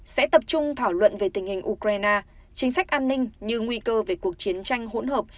sẽ tập trung thảo luận về tình hình ukraine chính sách an ninh như nguy cơ về cuộc chiến tranh hỗn hợp